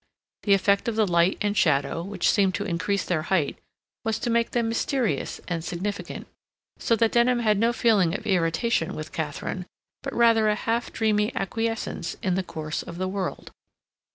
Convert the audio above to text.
The effect of the light and shadow, which seemed to increase their height, was to make them mysterious and significant, so that Denham had no feeling of irritation with Katharine, but rather a half dreamy acquiescence in the course of the world.